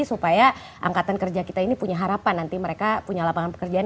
supaya angkatan kerja kita ini punya harapan nanti mereka punya lapangan pekerjaan